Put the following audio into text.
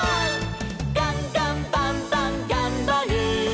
「ガンガンバンバンがんばる！」